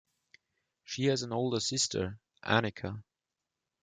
She has an older sister, Anika.